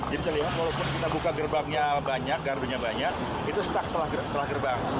jadi terlihat walaupun kita buka gerbangnya banyak gardunya banyak itu stuck setelah gerbang